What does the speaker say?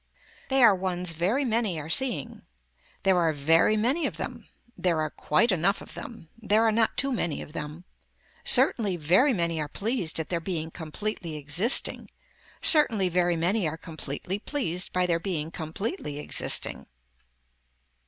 They are ones very many are seeing. There are very many of them. There are quite enough of them. There are not too many of them. Certainly very many are pleased at their being completely existing, certainly very many are completely pleased by their being completely existing.